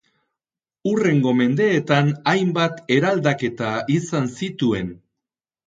Hurrengo mendeetan hainbat eraldaketa izan zituen.